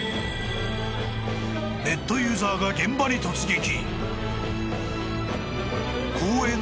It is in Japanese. ［ネットユーザーが現場に突撃］